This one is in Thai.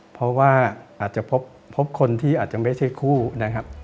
เพราะว่าอาจจะพบคนที่อาจจะไม่ใช่คู่นะครับ